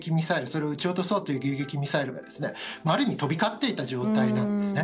それを撃ち落とそうという迎撃ミサイルが、ある意味飛び交っていた状態なんです。